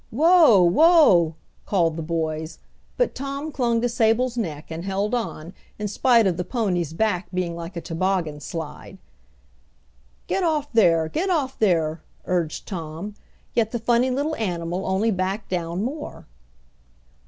"Whoa! whoa!" called the boys, but Tom clung to Sable's neck and held on in spite of the pony's back being like a toboggan slide. "Get off there, get off there!" urged Tom, yet the funny little animal only backed down more.